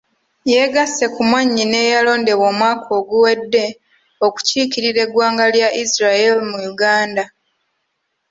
Yeegasse ku mwannyina eyalondebwa omwaka oguwedde okukiikirira eggwanga lya Isreal mu Uganda.